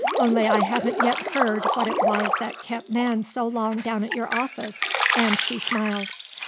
Only I haven't yet heard what it was that kept Nan so long down at your office," and she smiled.